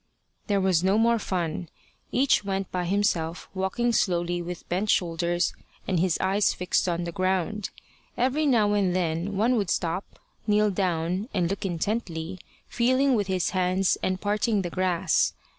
There was no more fun. Each went by himself, walking slowly with bent shoulders and his eyes fixed on the ground. Every now and then one would stop, kneel down, and look intently, feeling with his hands and parting the grass.